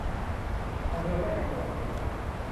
อำเภอแม่ริม จังหวัดเชียงใหม่